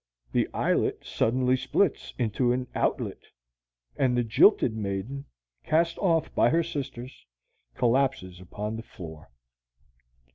The eyelet suddenly splits into an outlet, and the jilted maiden, cast off by her sisters, collapses upon the floor.